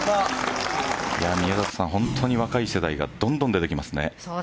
本当に若い世代がどんどん出てきますね。